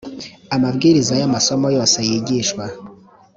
amabwiriza y amasomo yose yigishwa